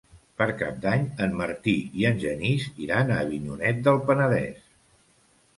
Per Cap d'Any en Martí i en Genís iran a Avinyonet del Penedès.